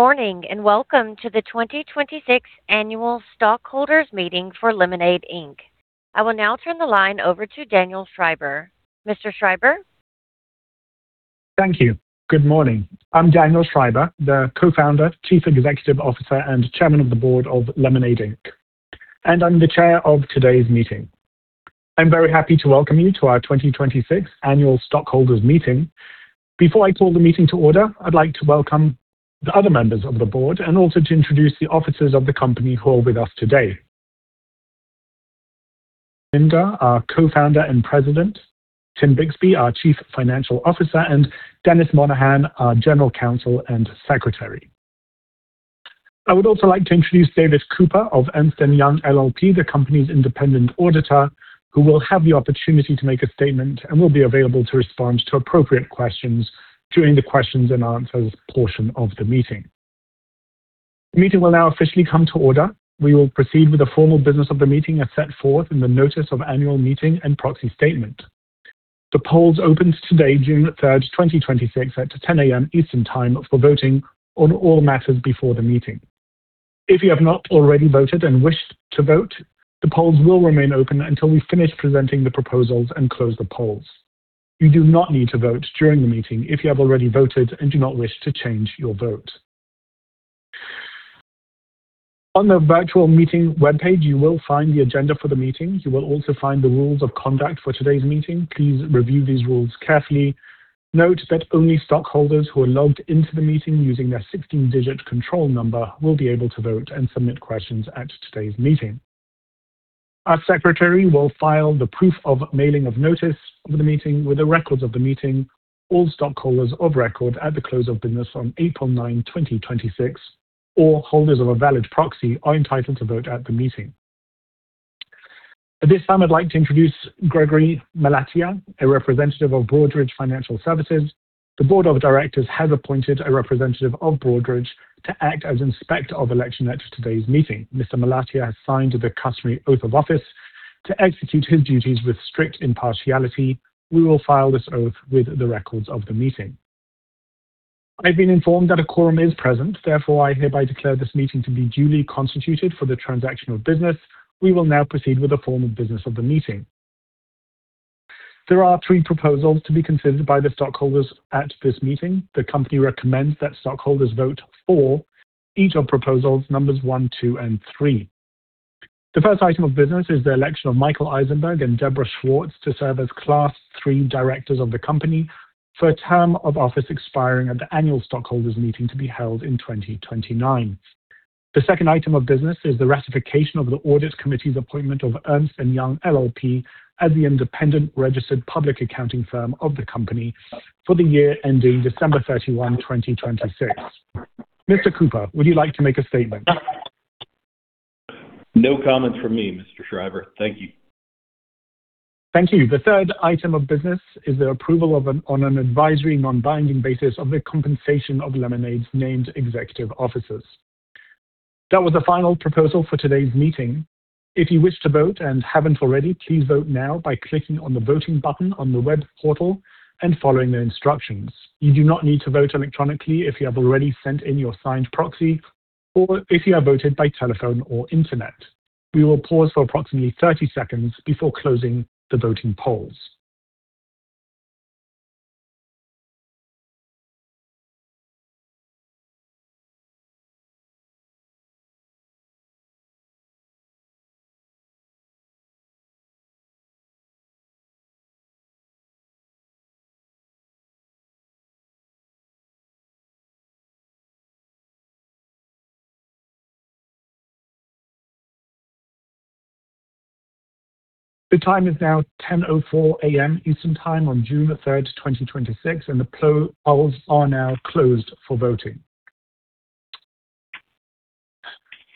Good morning, and welcome to the 2026 Annual Stockholders Meeting for Lemonade Inc. I will now turn the line over to Daniel Schreiber. Mr. Schreiber? Thank you. Good morning. I'm Daniel Schreiber, the Co-founder, Chief Executive Officer, and Chairman of the Board of Lemonade Inc., and I'm the Chair of today's meeting. I'm very happy to welcome you to our 2026 Annual Stockholders Meeting. Before I call the meeting to order, I'd like to welcome the other members of the Board, and also to introduce the officers of the company who are with us today. Shai Wininger, our Co-founder and President, Tim Bixby, our Chief Financial Officer, and Dennis Monaghan, our General Counsel and Secretary. I would also like to introduce David Cooper of Ernst & Young LLP, the company's independent auditor, who will have the opportunity to make a statement and will be available to respond to appropriate questions during the questions and answers portion of the meeting. The meeting will now officially come to order. We will proceed with the formal business of the meeting as set forth in the notice of annual meeting and proxy statement. The polls opened today, June 3rd, 2026, at 10:00 A.M. Eastern Time for voting on all matters before the meeting. If you have not already voted and wish to vote, the polls will remain open until we finish presenting the proposals and close the polls. You do not need to vote during the meeting if you have already voted and do not wish to change your vote. On the virtual meeting webpage, you will find the agenda for the meeting. You will also find the rules of conduct for today's meeting. Please review these rules carefully. Note that only stockholders who are logged in to the meeting using their 16-digit control number will be able to vote and submit questions at today's meeting. Our secretary will file the proof of mailing of notice of the meeting with the records of the meeting. All stockholders of record at the close of business on April 9, 2026, or holders of a valid proxy, are entitled to vote at the meeting. At this time, I'd like to introduce Gregory [Malatesta], a representative of Broadridge Financial Solutions. The board of directors has appointed a representative of Broadridge to act as Inspector of Election at today's meeting. Mr. [Malatesta] has signed the customary oath of office to execute his duties with strict impartiality. We will file this oath with the records of the meeting. I've been informed that a quorum is present, therefore, I hereby declare this meeting to be duly constituted for the transaction of business. We will now proceed with the formal business of the meeting. There are three proposals to be considered by the stockholders at this meeting. The company recommends that stockholders vote for each of proposals numbers one, two, and three. The first item of business is the election of Michael Eisenberg and Debra Schwartz to serve as Class III directors of the company for a term of office expiring at the annual stockholders' meeting to be held in 2029. The second item of business is the ratification of the Audit Committee's appointment of Ernst & Young LLP as the independent registered public accounting firm of the company for the year ending December 31, 2026. Mr. Cooper, would you like to make a statement? No comment from me, Mr. Schreiber. Thank you. Thank you. The third item of business is the approval on an advisory, non-binding basis of the compensation of Lemonade's named executive officers. That was the final proposal for today's meeting. If you wish to vote and haven't already, please vote now by clicking on the voting button on the web portal and following the instructions. You do not need to vote electronically if you have already sent in your signed proxy or if you have voted by telephone or internet. We will pause for approximately 30 seconds before closing the voting polls. The time is now 10:04 A.M. Eastern Time on June 3rd, 2026, and the polls are now closed for voting.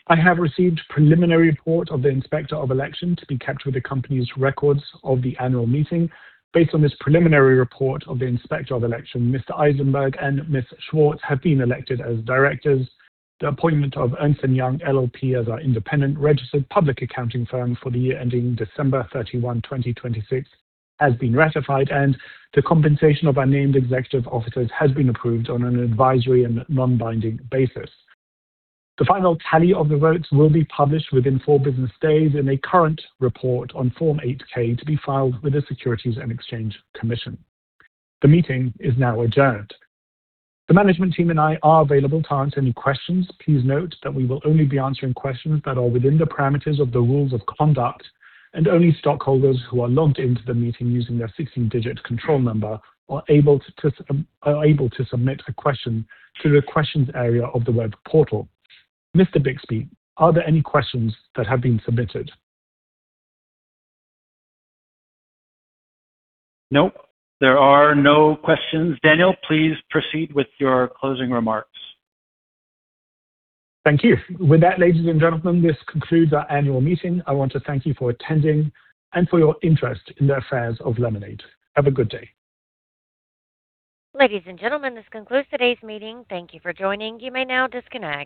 I have received a preliminary report of the Inspector of Election to be kept with the company's records of the annual meeting. Based on this preliminary report of the Inspector of Election, Mr. Eisenberg and Ms. Schwartz have been elected as directors. The appointment of Ernst & Young LLP as our independent registered public accounting firm for the year ending December 31, 2026, has been ratified, and the compensation of our named executive officers has been approved on an advisory and non-binding basis. The final tally of the votes will be published within four business days in a current report on Form 8-K to be filed with the Securities and Exchange Commission. The meeting is now adjourned. The management team and I are available to answer any questions. Please note that we will only be answering questions that are within the parameters of the rules of conduct, and only stockholders who are logged in to the meeting using their 16-digit control number are able to submit a question through the questions area of the web portal. Mr. Bixby, are there any questions that have been submitted? No, there are no questions. Daniel, please proceed with your closing remarks. Thank you. With that, ladies and gentlemen, this concludes our annual meeting. I want to thank you for attending and for your interest in the affairs of Lemonade. Have a good day. Ladies and gentlemen, this concludes today's meeting. Thank you for joining. You may now disconnect.